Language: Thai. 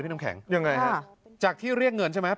น้ำแข็งยังไงฮะจากที่เรียกเงินใช่ไหม